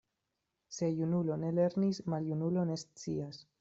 Se junulo ne lernis, maljunulo ne scias.